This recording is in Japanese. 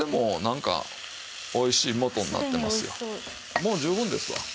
もう十分ですわ。